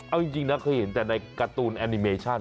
เอาจริงนะเคยเห็นแต่ในการ์ตูนแอนิเมชั่น